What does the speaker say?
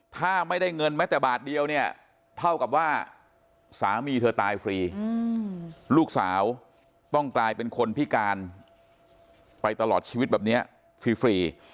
ถ้าไม่ได้เงินแม้แต่บาทเดียวเนี่ยเท่ากับว่าสามีเธอตายฟรีลูกสาวต้องกลายเป็นคนพิการไปตลอดชีวิตแบบนี้ฟรี